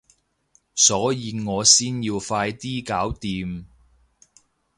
所以我先要快啲搞掂